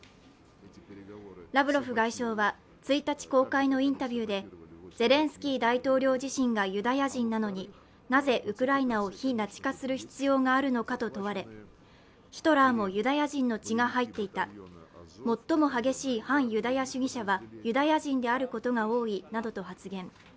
ラブロフ外相は、１日公開のインタビューでゼレンスキー大統領自身がユダヤ人なのに、なぜウクライナを非ナチ化する必要があるのかと問われヒトラーもユダヤ人の血が入っていた、最も激しい反ユダヤ主義者はユダヤ人であることが多いなどと発言。